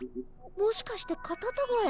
もしかしてカタタガエ？